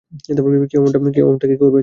কেউ এমনটা করবে?